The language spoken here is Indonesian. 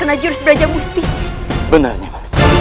aku hanya berharap